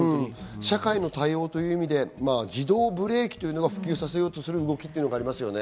社会の対応という意味で自動ブレーキを普及させようとする動きがありますね。